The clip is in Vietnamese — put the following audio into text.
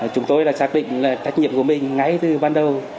chúng tôi đã xác định tách nhiệm của mình ngay từ ban đầu